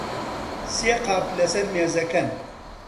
سێ قاپ لەسەر مێزەکەن.